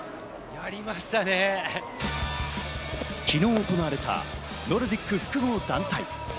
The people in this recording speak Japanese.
昨日行われたノルディック複合団体。